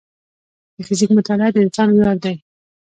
د فزیک مطالعه د انسان ویاړ دی.